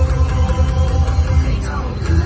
มันเป็นเมื่อไหร่แล้ว